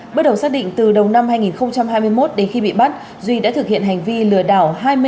bước đầu xác định từ đầu năm hai nghìn hai mươi một đến khi bị bắt duy đã thực hiện hành vi lừa đảo